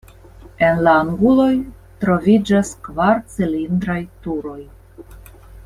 En la anguloj troviĝas kvar cilindraj turoj.